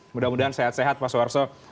mudah mudahan sehat sehat pak suwarso